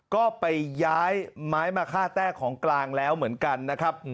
ก็ไปย้ายไม้มาฆ่าแต้ของกลางแล้วเหมือนกันนะครับ